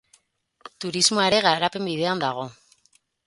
Turismoa ere garapen bidean dago.